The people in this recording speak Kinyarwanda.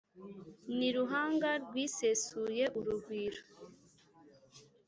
ni ruhanga rwisesuye urugwiro.